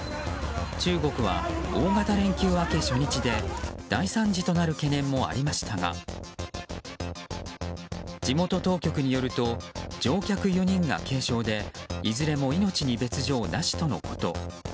中国は大型連休明け初日で大惨事となる懸念もありましたが地元当局によると乗客４人が軽傷でいずれも命に別条なしとのこと。